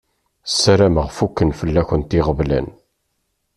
Sarameɣ fukken fell-akent iɣeblan.